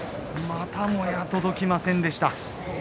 またもや届きませんでした。